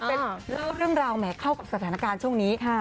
เป็นเรื่องราวแหมเข้ากับสถานการณ์ช่วงนี้